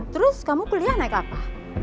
terus kamu kuliah naik apa